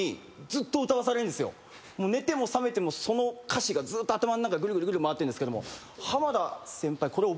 寝ても覚めてもその歌詞がずーっと頭の中ぐるぐるぐるぐる回ってんですけども。